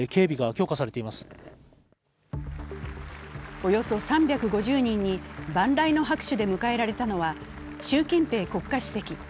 およそ３５０人に万雷の拍手で迎えられたのは習近平国家主席。